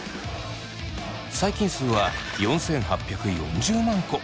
細菌数は４，８４０万個。